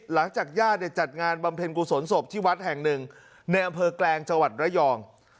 หลังจากญาติจัดงานบำเพ็ญกุศลศพที่วัดแห่งหนึ่งในอำเภอแกลงจังหวัดระยอง